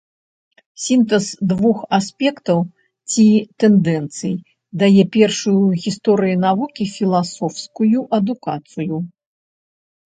Сінтэз двух аспектаў ці тэндэнцый дае першую ў гісторыі навукі філасофскую адукацыю.